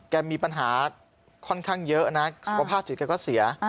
แกมีปัญหาค่อนข้างเยอะนะว่าภาพสิทธิ์แกก็เสีย